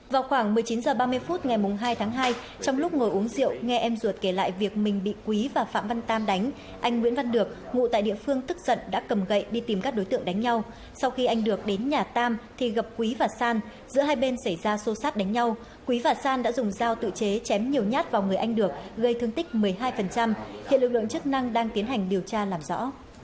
vào khoảng một mươi chín h ba mươi phút ngày hai tháng hai trong lúc ngồi uống rượu nghe em ruột kể lại việc mình bị quý và phạm văn tam đánh anh nguyễn văn được ngụ tại địa phương tức giận đã cầm gậy đi tìm các đối tượng đánh nhau sau khi anh được đến nhà tam thì gặp quý và san giữa hai bên xảy ra xô xát đánh nhau quý và san đã dùng dao tự chế chém nhiều nhát vào người anh được gây thương tích một mươi hai hiện lực lượng chức năng đang tiến hành điều tra làm rõ